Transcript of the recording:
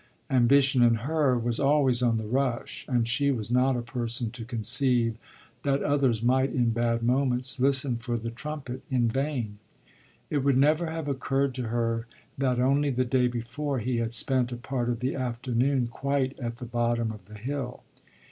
Ambition, in her, was always on the rush, and she was not a person to conceive that others might in bad moments listen for the trumpet in vain. It would never have occurred to her that only the day before he had spent a part of the afternoon quite at the bottom of the hill.